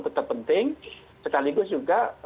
tetap penting sekaligus juga